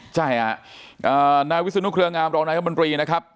ใช่อ่ะอ่านายวิศนุเครืองามรองนัยธรรมนรีนะครับ